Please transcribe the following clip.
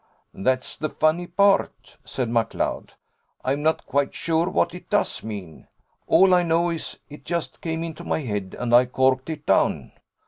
"That's the funny part," said McLeod. "I'm not quite sure what it does mean. All I know is, it just came into my head and I corked it down.